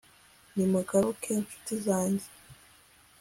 nimuhaguruke nshuti zanjye